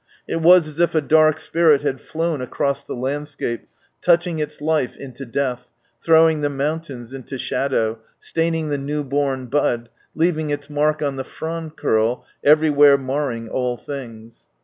It was as if a dark spirit had flown across the landscape, touching its life into death, throwing the mountains in shadow, staining the new born bud, leaving its mark on the frond curl, everywhere marring all things.